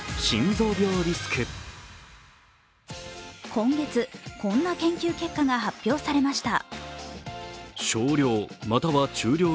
今月、こんな研究結果が発表されました。